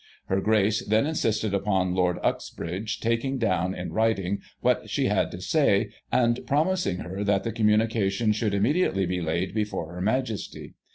Her Grace then insisted upon Lord Uxbridge taking down in writing what she had to say, cind promising her that the commimication should immediately be laid be fore Her Majesty.